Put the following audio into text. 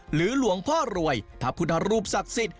หรือหลวงพ่อรวยพระพุทธรูปศักดิ์สิทธิ